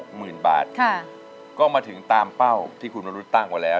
หมื่นบาทค่ะก็มาถึงตามเป้าที่คุณวรุษตั้งไว้แล้ว